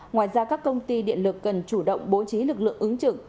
ngoài ra các công ty điện lực cần chủ động bố trí lực lượng ứng trực